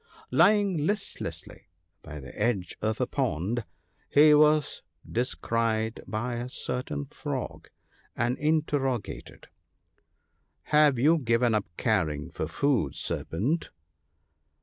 Lying listlessly by the edge of a pond, he was descried by a certain Frog, and interrogated, —" Have you given up caring for food, Serpent